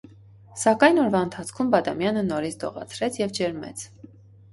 Սակայն օրվա ընթացքում Բադամյանը նորից դողացրեց և ջերմեց: